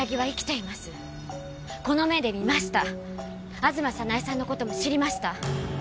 吾妻早苗さんの事も知りました。